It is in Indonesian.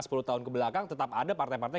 sepuluh tahun kebelakang tetap ada partai partai